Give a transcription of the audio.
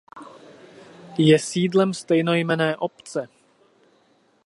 Je sídlem stejnojmenné obce.